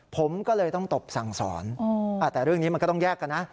ผมก็เลยต้องตบสั่งสอนแต่เรื่องนี้มันก็ต้องแยกกันนะ